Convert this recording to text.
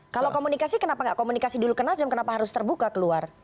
kalau komunikasi kenapa nggak komunikasi dulu ke nasdem kenapa harus terbuka keluar